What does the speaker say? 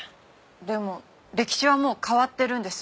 でも歴史はもう変わってるんです。